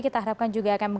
kita harapkan juga akan